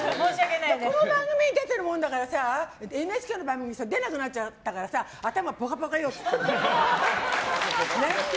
この番組に出てるものだからＮＨＫの番組に出なくなっちゃったから頭ぽかぽかよって。